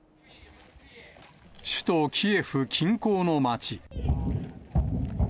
首都キエフ近郊の街。